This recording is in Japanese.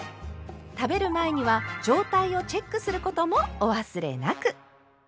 食べる前には状態をチェックすることもお忘れなく。